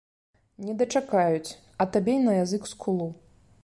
Не дачакаюць, а табе на язык скулу.